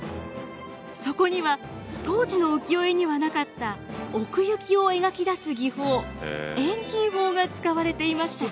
そこには当時の浮世絵にはなかった奥行きを描き出す技法遠近法が使われていました。